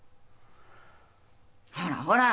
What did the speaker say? ほらほら